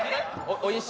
おいしい？